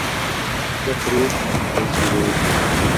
Фэ фрещхькъым сэ си розэм.